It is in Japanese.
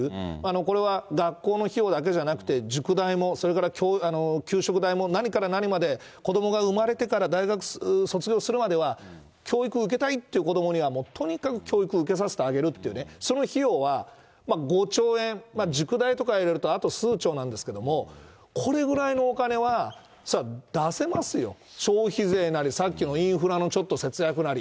これは、学校の費用だけじゃなくて、塾代もそれから給食代も、何から何まで子どもが産まれてから、大学卒業するまでは教育受けたいって子どもにはとにかく教育を受けさせてあげるというね、その費用は、５兆円、塾代とか入れるとあと数兆なんですけれども、これぐらいのお金はそれは出せますよ、消費税なり、さっきのインフラのちょっと節約なり。